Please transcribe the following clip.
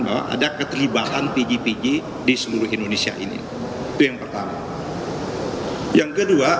bahwa ada keterlibatan pg pg